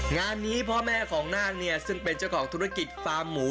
งานนี้พ่อแม่ของนาคเนี่ยซึ่งเป็นเจ้าของธุรกิจฟาร์มหมู